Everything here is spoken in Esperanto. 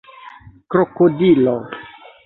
krokodilo